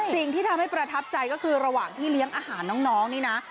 สิ่งที่ทำให้ประทับใจก็คือระหว่างที่เลี้ยงอาหารน้องนี่นะ